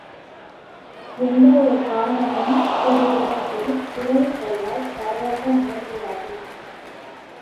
எந்த ஒரு காரணமும் ஒருவரிடத்தில் உறவு கொள்ளத் தடையாக அமையக்கூடாது.